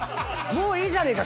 もういいじゃねえか。